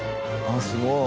あっすごい。